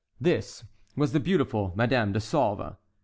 This was the beautiful Madame de Sauve.